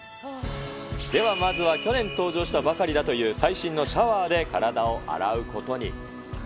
ではまずは去年登場したばかりだという最新のシャワーで体を洗うことに。